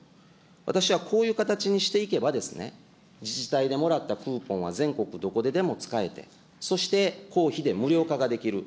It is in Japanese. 私はこういう形にしていけばですね、自治体でもらったクーポンは全国どこででも使えて、そして公費で無料化ができる。